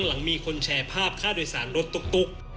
หลังมีคนแชร์ภาพค่าโดยสารรถตุ๊ก